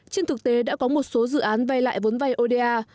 trên thực tế đã có một số dự án vay lại vốn vay oda